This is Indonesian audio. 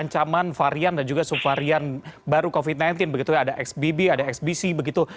ancaman varian dan juga subvarian baru covid sembilan belas begitu ya ada xbb ada xbc begitu